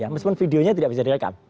meskipun videonya tidak bisa direkam